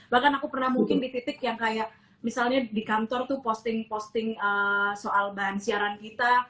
bahkan aku pernah mungkin di titik yang kayak misalnya di kantor tuh posting posting soal bahan siaran kita